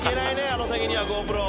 あの先にはＧｏＰｒｏ。